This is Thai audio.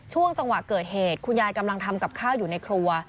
ช่วงจังหวะเกิดเหตุคุณยายกำลังทำกับข้าวอยู่ในครัว